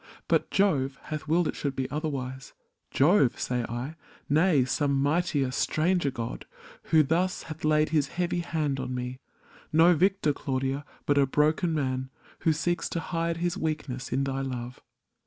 But Jove hath willed it should be otherwise — Jove, say I ? Nay, some mightier stranger god Who thus hath laid his heavy hand on me, No victor, Claudia, but a broken man Who seeks to hide his weakness in thy love.